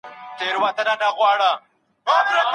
ځان د نورو سره پرتله کول بې مانا کار دی.